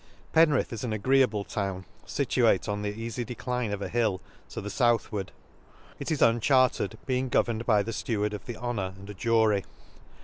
j» Penrith is &n agreeable town, fituate on the eafy decline of a hill, to the fouth i ward ;— it is unchartered , being governed by the Steward of the Honor, and a Jury.